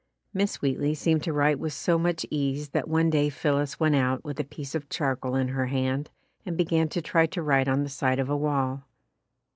Miss Wheatley seemed to write with so much ease that one day Phillis went out with a piece of charcoal in her hand and began to try to write on the side of a wall.